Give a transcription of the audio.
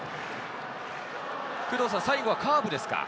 最後はカーブですか？